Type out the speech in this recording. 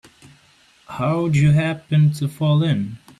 How'd you happen to fall in?